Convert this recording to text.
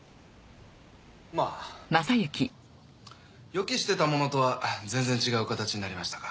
まあ。予期してたものとは全然違う形になりましたが。